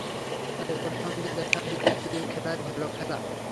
তাই ওর সঙ্গে দেখা-বিন্তির খেলাই ভালো খেলা।